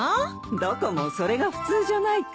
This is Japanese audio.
どこもそれが普通じゃないかい？